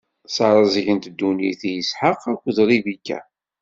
Ssareẓgent ddunit i Isḥaq akked Ribika.